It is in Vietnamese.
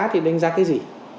thì đánh giá cái gì